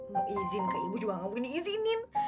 mau izin ke ibu juga gak mungkin izinin